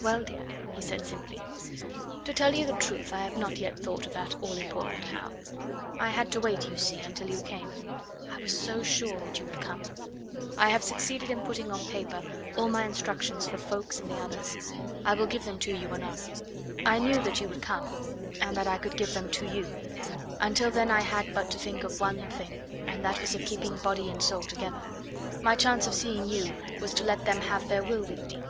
"Well, dear," he said simply, "to tell you the truth I have not yet thought of that all important 'how.' I had to wait, you see, until you came. I was so sure that you would come! I have succeeded in putting on paper all my instructions for Ffoulkes and the others. I will give them to you anon. I knew that you would come, and that I could give them to you; until then I had but to think of one thing, and that was of keeping body and soul together. My chance of seeing you was to let them have their will with me.